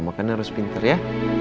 makan harus pintar ya